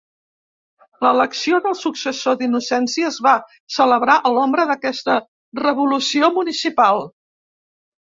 L'elecció del successor d'Innocenci es va celebrar a l'ombra d'aquesta revolució municipal.